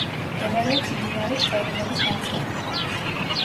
მდებარეობს მდინარე ჩხერიმელის მარცხენა მხარეს.